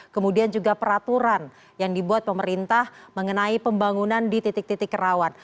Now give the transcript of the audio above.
kemudian juga peraturan yang dibuat pemerintah mengenai pembangunan di titik titik rawan